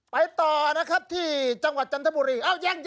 ไปต่อที่จังหวัดจันทบุรี